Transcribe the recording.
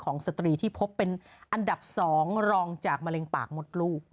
สตรีที่พบเป็นอันดับ๒รองจากมะเร็งปากมดลูก